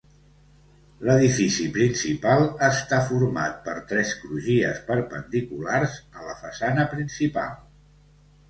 L'edifici principal està format per tres crugies perpendiculars a la façana principal.